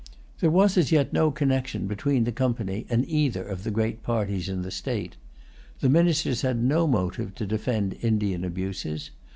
There was as yet no connection between the Company and either of the great parties in the state. The ministers had no motive to defend Indian abuses.